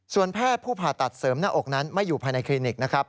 แพทย์ผู้ผ่าตัดเสริมหน้าอกนั้นไม่อยู่ภายในคลินิกนะครับ